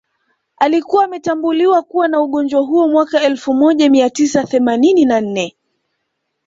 Alikuwa ametambuliwa kuwa na ugonjwa huo mwaka elfu moja mia tisa themanini na nne